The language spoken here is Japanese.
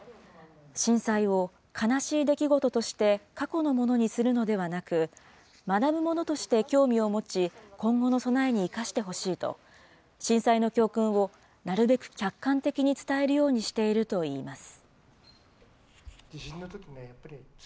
震災を悲しい出来事として過去のものにするのではなく、学ぶものとして興味を持ち、今後の備えに生かしてほしいと、震災の教訓をなるべく客観的に伝えるようにしているといいます。